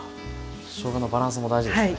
しょうがのバランスも大事ですね。